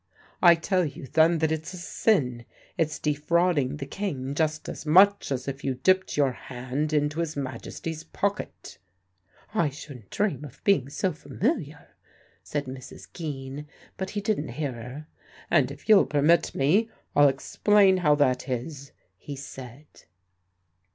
"I tell you, then, that it's a sin; it's defrauding the King just as much as if you dipped your hand into His Majesty's pocket" "I shouldn' dream of being so familiar," said Mrs. Geen, but he didn't hear her "and if you'll permit me, I'll explain how that is," he said.